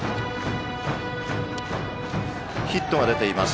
打席にはヒットが出ています